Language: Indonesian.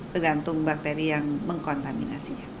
tergantung bakteri yang mengkontaminasinya